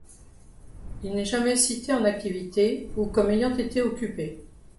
Il n'est jamais cité en activité ou comme ayant été occupé.